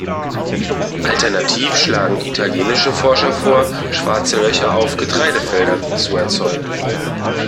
Alternativ schlagen italienische Forscher vor, Schwarze Löcher auf Getreidefeldern zu erzeugen.